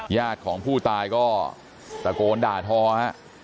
ญาติของผู้ตายก็ตะโกนด่าทอฮะ